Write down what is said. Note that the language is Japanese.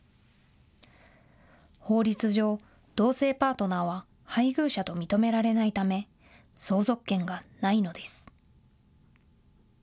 法律上、同性パートナーは配偶者と認められないため相続権がないのです。